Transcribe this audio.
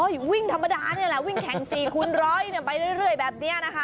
วิ่งธรรมดานี่แหละวิ่งแข่ง๔คูณร้อยไปเรื่อยแบบนี้นะคะ